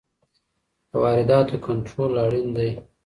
د وارداتو کنټرول اړین دی.